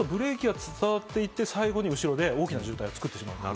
そうするとブレーキが伝わっていって、最後に後ろで大きな渋滞を作ってしまう。